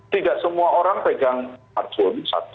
tidak semua orang pegang handphone